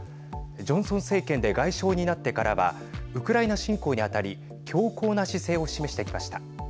ジョンソン政権で外相になってからはウクライナ侵攻にあたり強硬な姿勢を示してきました。